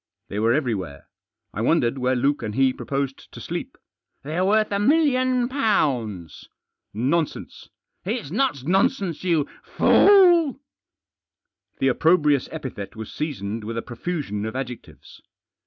They were everywhere. I wondered where Luke and he proposed to sleep. " They're worth a million pounds." " Nonsense !"" It's not nonsense, you fool." The opprobrious epithet was seasoned with a profusion of adjectives.